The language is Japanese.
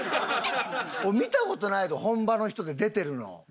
俺見た事ないぞ本場の人で出てるの。